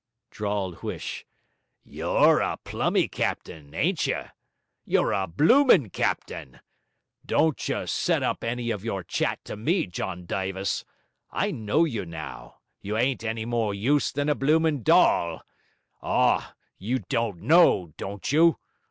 drawled Huish, 'you're a plummy captain, ain't you? You're a blooming captain! Don't you, set up any of your chat to me, John Dyvis: I know you now, you ain't any more use than a bloomin' dawl! Oh, you "don't know", don't you?